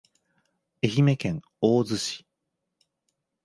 愛媛県大洲市